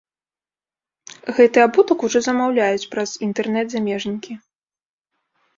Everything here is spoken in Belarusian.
Гэты абутак ужо замаўляюць праз інтэрнэт замежнікі.